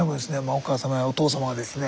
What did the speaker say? お母様やお父様がですね